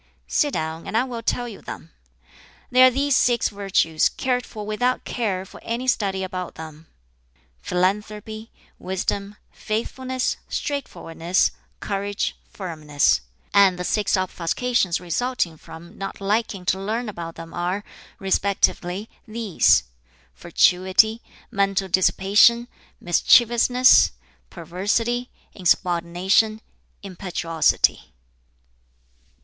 "Sit down, and I will tell you them. They are these six virtues, cared for without care for any study about them: philanthropy, wisdom, faithfulness, straightforwardness, courage, firmness. And the six obfuscations resulting from not liking to learn about them are, respectively, these: fatuity, mental dissipation, mischievousness, perversity, insubordination, impetuosity."